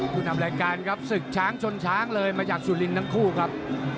ผู้นำรายการครับศึกช้างชนช้างเลยมาจากสุรินทร์ทั้งคู่ครับ